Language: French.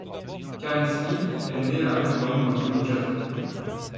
Karen Smith est née à Red Bank, dans le New Jersey.